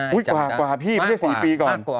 อุ้ยกว่าพี่ไม่ได้๔ปีก่อน